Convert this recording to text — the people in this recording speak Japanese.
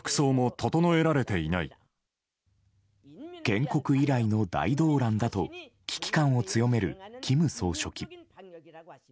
建国以来の大動乱だと危機感を強める金総書記。